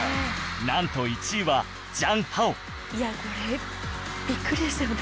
なんと１位はジャン・ハオいやこれビックリでしたよね。